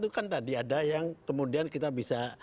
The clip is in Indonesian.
itu kan tadi ada yang kemudian kita bisa